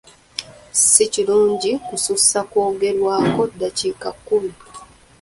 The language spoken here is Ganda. Si kirungi kusussa kwogerkwo ddaakiika kkumi.